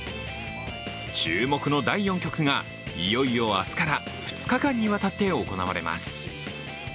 注目の第４局がいよいよ明日から２日間にわたって行われます。